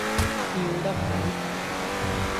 吊得好